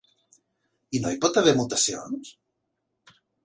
I no hi pot haver mutacions?